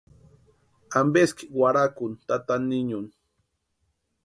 ¿Ampeski warhakuni tata niñuni?